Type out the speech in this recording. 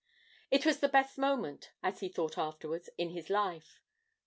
It was the best moment, as he thought afterwards, in his life.